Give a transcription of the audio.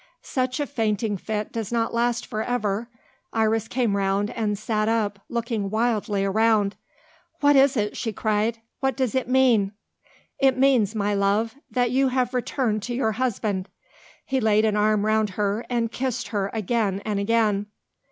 Such a fainting fit does not last for ever. Iris came round, and sat up, looking wildly around. "What is it?" she cried. "What does it mean?" "It means, my love, that you have returned to your husband." He laid an arm round her, and kissed her again and again.